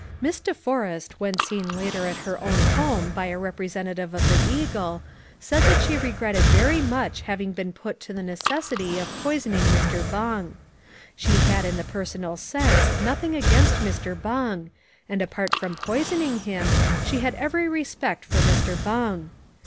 "Miss De Forrest when seen later at her own home by a representative of The Eagle said that she regretted very much having been put to the necessity of poisoning Mr. Bung. She had in the personal sense nothing against Mr. Bung and apart from poisoning him she had every respect for Mr. Bung.